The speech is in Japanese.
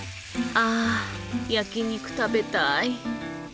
あぁ焼き肉食べたい。